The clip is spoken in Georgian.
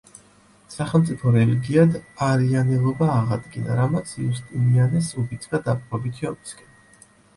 სახელმწიფო რელიგიად არიანელობა აღადგინა, რამაც იუსტინიანეს უბიძგა დაპყრობითი ომისკენ.